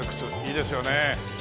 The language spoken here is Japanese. いいですよね。